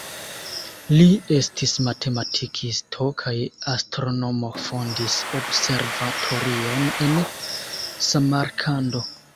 Li estis matematikisto kaj astronomo, fondis observatorion en Samarkando.